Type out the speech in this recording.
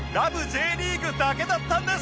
Ｊ リーグ』だけだったんです